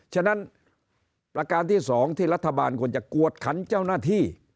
ฉะนั้นประการที่๒ที่รัฐบาลควรจะกวดขันเจ้าหน้าที่